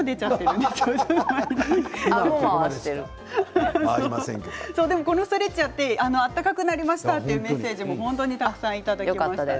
でもこのストレッチをやったら暖かくなりましたというメッセージがたくさん届きました。